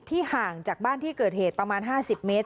ห่างจากบ้านที่เกิดเหตุประมาณ๕๐เมตร